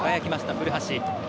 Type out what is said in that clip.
古橋。